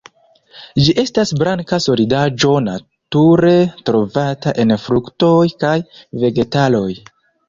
Ĝi estas blanka solidaĵo nature trovata en fruktoj kaj vegetaloj.